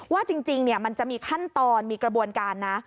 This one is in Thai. ว่าจริงมันจะมีขั้นตอนมีกระบวนการนะ